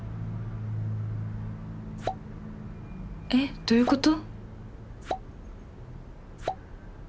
えっどういうこと？